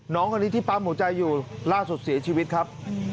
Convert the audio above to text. น้องคนนี้ที่ปั๊มหัวใจอยู่ล่าสุดเสียชีวิตครับ